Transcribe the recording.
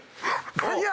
何や？